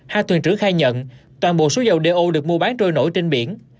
hai tuyển trưởng khai nhận toàn bộ số dầu do được mua bán trôi nổi trên biển